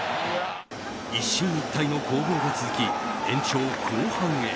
一進一退の攻防が続き延長後半へ。